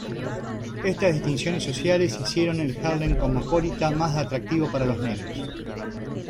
Estas distinciones sociales hicieron el Harlem cosmopolita más atractivo para los negros.